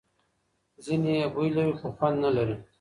ځینې یې بوی لري خو خوند نه لري.